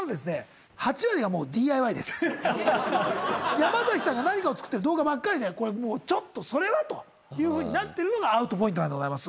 山崎さんが何かを作ってる動画ばっかりでちょっとそれはとなってるのがアウトポイントなんでございます。